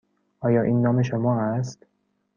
آیا این نام شما است؟